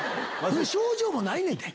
症状もないねんで。